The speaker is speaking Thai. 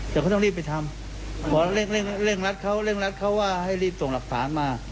แต่เขาต้องรีบไปทำเลยบอกเรื่องรัฐเขาเรื่องรัฐเขาว่าให้รีบส่งหลักภาพมา